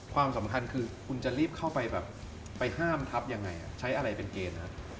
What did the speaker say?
ความสำคัญคือคุณจะรีบเข้าไปแบบไปห้ามทับยังไงใช้อะไรเป็นเกณฑ์